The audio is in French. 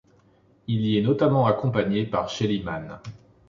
Elle y est notamment accompagnée par Shelly Manne.